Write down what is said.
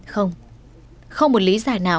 không không một lý giải nào